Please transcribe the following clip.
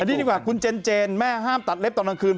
นี่ดีกว่าคุณเจนเจนแม่ห้ามตัดเล็บตอนกลางคืน